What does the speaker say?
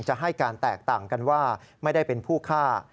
ให้การแตกต่างกันว่าไม่ได้เป็นผู้ฆ่า